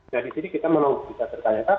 nah di sini kita memang bisa tertanya tanya